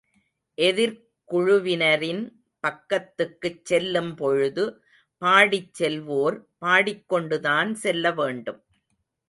எதிர்க் குழுவினரின் பக்கத்துக்குச் செல்லும் பொழுது பாடிச் செல்வோர், பாடிக் கொண்டுதான் செல்ல வேண்டும்.